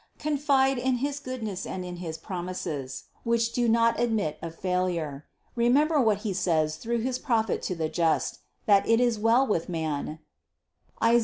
Confide in his goodness and in his promises, which do not admit of failure; remember what He says through his Prophet to the just: that it is well with man (Is.